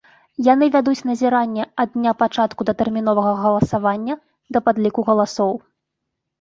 Яны вядуць назіранне ад дня пачатку датэрміновага галасавання да падліку галасоў.